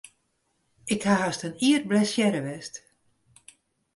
Ik haw hast in jier blessearre west.